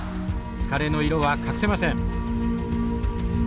疲れの色は隠せません。